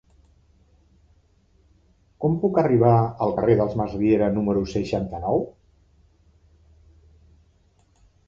Com puc arribar al carrer dels Masriera número seixanta-nou?